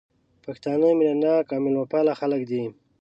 پښتانه مينه ناک او ميلمه پال خلک دي